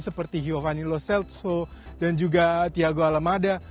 seperti giovanni lo celso dan juga thiago alamada